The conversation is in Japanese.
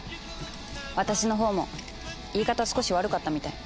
私のほうも言い方少し悪かったみたい。